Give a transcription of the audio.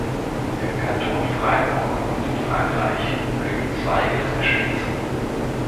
Im Kanton Freiburg und in Frankreich blühen Zweige des Geschlechts.